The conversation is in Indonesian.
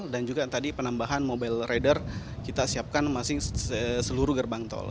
dan juga tadi penambahan mobile radar kita siapkan masing masing seluruh gerbang tol